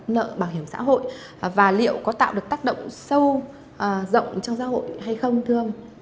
nợ bảo hiểm xã hội và liệu có tạo được tác động sâu rộng trong xã hội hay không thưa ông